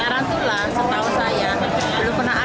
tarantula setahu saya belum pernah ada